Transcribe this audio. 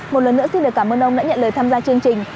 một lần nữa xin được cảm ơn ông đã nhận lời tham gia chương trình